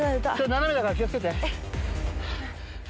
斜めだから気を付けて。